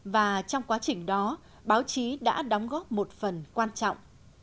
và trong quá trình đó báo chí đã đóng góp một phần quan trọng